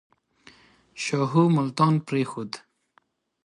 شاهو ملتان پرېښود.